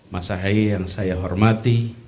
masa hai yang saya hormati